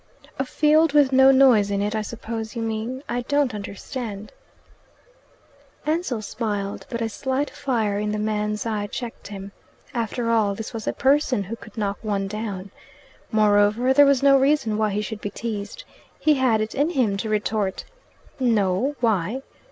"A field with no noise in it, I suppose you mean. I don't understand." Ansell smiled, but a slight fire in the man's eye checked him. After all, this was a person who could knock one down. Moreover, there was no reason why he should be teased. He had it in him to retort "No. Why?"